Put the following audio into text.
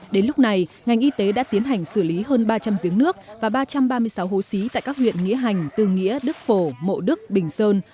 đến lúc này ngành y tế đã tiến hành xử lý hơn ba trăm linh giếng nước và ba trăm ba mươi sáu hố xí tại các huyện nghĩa hành tư nghĩa đức phổ mộ đức bình sơn